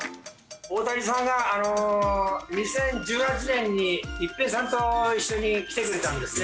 大谷さんが２０１８年に一平さんと一緒に来てくれたんですね。